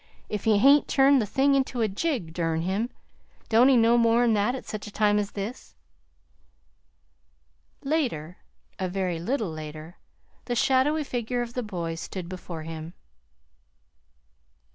if he hain't turned the thing into a jig durn him! Don't he know more'n that at such a time as this?" Later, a very little later, the shadowy figure of the boy stood before him.